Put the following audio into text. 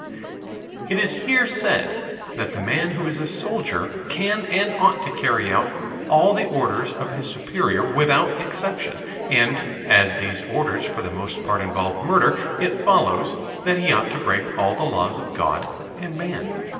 It is here said that the man who is a soldier can and ought to carry out all the orders of his superior without exception. And as these orders for the most part involve murder, it follows that he ought to break all the laws of God and man.